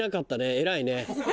偉いね。